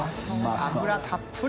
脂たっぷり。